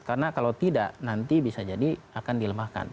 karena kalau tidak nanti bisa jadi akan dilemahkan